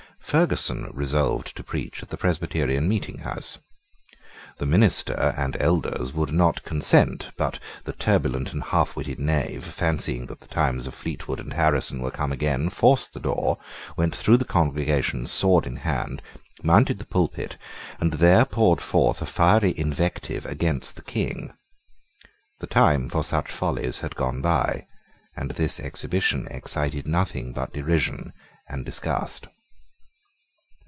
Ferguson resolved to preach at the Presbyterian meeting house. The minister and elders would not consent but the turbulent and halfwitted knave, fancying that the times of Fleetwood and Harrison were come again, forced the door, went through the congregation sword in hand, mounted the pulpit, and there poured forth a fiery invective against the King. The time for such follies had gone by; and this exhibition excited nothing but derision and disgust.